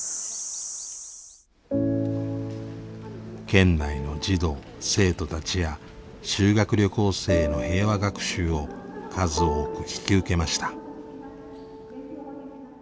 県内の児童生徒たちや修学旅行生への平和学習を数多く引き受けました。